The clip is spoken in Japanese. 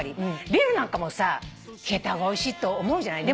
ビールなんかもさ冷えた方がおいしいと思うじゃない。